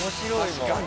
確かに。